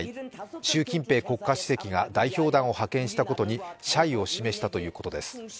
習近平国家主席が代表団を派遣したことに謝意を示したということです。